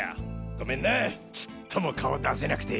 ごめんなちっとも顔出せなくて。